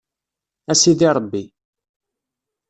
A sidi Ṛebbi.